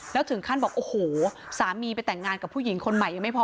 แล้วถึงขั้นบอกโอ้โหสามีไปแต่งงานกับผู้หญิงคนใหม่ยังไม่พอ